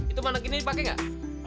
itu maneg ini dipake gak